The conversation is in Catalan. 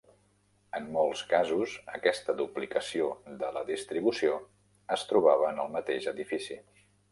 En molts casos, aquesta duplicació de la distribució es trobava en el mateix edifici.